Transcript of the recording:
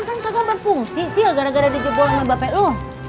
hidran kan kagum berfungsi cil gara gara njebol ama bapak lu